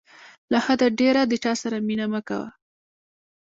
له حده ډېر د چاسره مینه مه کوه.